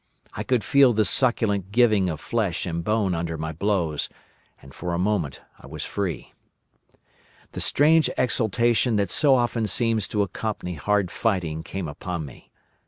I could feel the succulent giving of flesh and bone under my blows, and for a moment I was free. "The strange exultation that so often seems to accompany hard fighting came upon me.